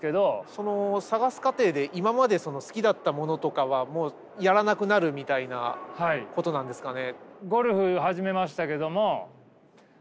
その探す過程で今までその好きだったものとかはもうやらなくなるみたいなことなんですかね？